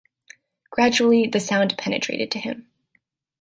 Gradually the sound penetrated to him.